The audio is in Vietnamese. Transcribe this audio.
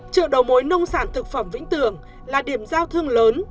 chợ đầu mối nông sản thực phẩm vĩnh tường là điểm giao thương lớn